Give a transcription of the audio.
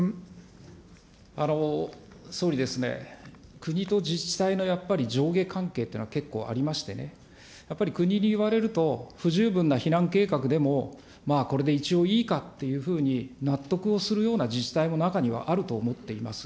総理、国と自治体のやっぱり上下関係っていうのは結構ありましてね、やっぱり国に言われると、不十分な避難計画でも、まあこれで一応いいかというふうに、納得をするような自治体も中にはあると思っています。